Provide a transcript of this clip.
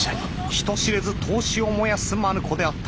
人知れず闘志を燃やすマヌ子であった